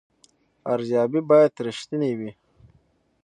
ارزیابي باید رښتینې وي